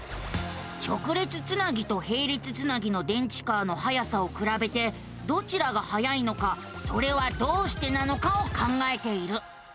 直列つなぎとへい列つなぎの電池カーのはやさをくらべてどちらがはやいのかそれはどうしてなのかを考えている。